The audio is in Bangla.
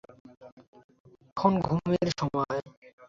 এখন ঘুমের সময়।